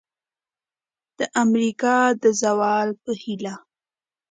د امریکا د زوال په هیله!